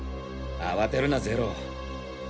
慌てるなゼロ。